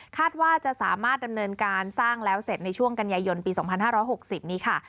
คาดว่าจะสามารถดำเงินการสร้างแล้วเสร็จในช่วงกันยายยนตร์ปีสองพันห้าร้อหกสิบนี้ค่ะ